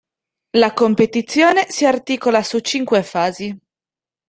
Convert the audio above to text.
La competizione si articola su cinque fasi.